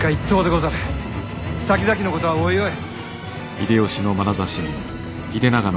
さきざきのことはおいおい。